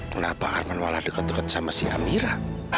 kenapa arman malah deket deket sama si amira